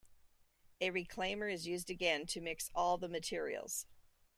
A reclaimer is used again to mix all the materials.